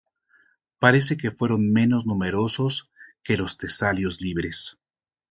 Parece que fueron menos numerosos que los tesalios libres.